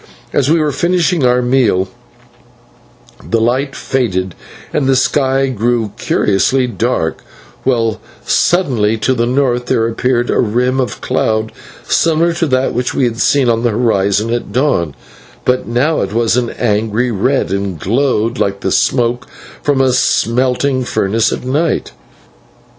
As we were finishing our meal the light faded and the sky grew curiously dark, while suddenly to the north there appeared a rim of cloud similar to that which we had seen upon the horizon at dawn, but now it was of an angry red and glowed like the smoke from a smelting furnace at night.